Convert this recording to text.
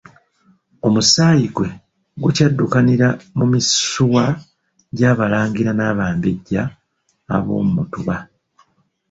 Omusaayi gwe gukyaddukanira mu misuwa gy'abalangira n'abambejja ab'omu Mutuba.